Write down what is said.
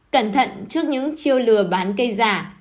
cẩn thận trước những chiêu lừa bán cây giả